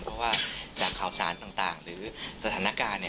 เพราะว่าจากข่าวสารต่างหรือสถานการณ์